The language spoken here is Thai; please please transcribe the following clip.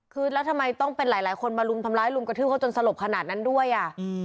คือแล้วทำไมต้องเป็นหลายคนมาลุมทำร้ายลุมกระทืบเขาจนสลบขนาดนั้นด้วยอ่ะ